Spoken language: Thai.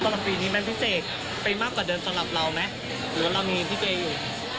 ตลอดปีนี้มันพิเศษไปมากกว่าเดินสำหรับเราไหมหรือเรามีพี่เกย์อยู่